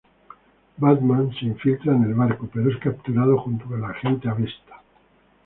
Batman se infiltra en el barco, pero es capturado junto con la Agente Avesta.